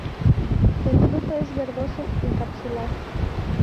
El fruto es verdoso y capsular.